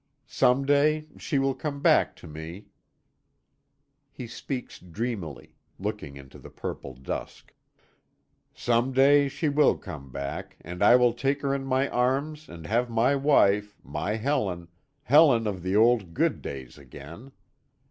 Some day she will come back to me " He speaks dreamily, looking into the purple dusk, "Some day she will come back, and I will take her in my arms and have my wife, my Helen, Helen of the old good days again.